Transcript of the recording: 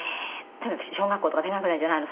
とにかく小学校とか低学年じゃないの？